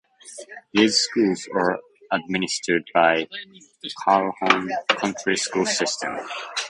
These schools are administered by the Calhoun County School System.